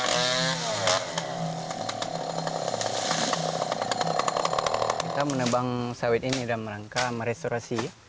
kita menebang sawit ini dan merangka merestorasi